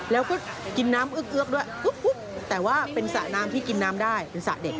แล้วก็กินน้ำเอื้อกด้วยแต่ว่าเป็นสระน้ำที่กินน้ำได้เป็นสระเด็ก